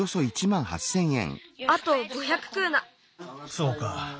そうか。